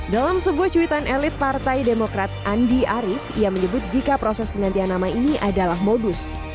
dalam sebuah cuitan elit partai demokrat andi arief ia menyebut jika proses penggantian nama ini adalah modus